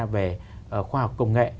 về khoa học công nghệ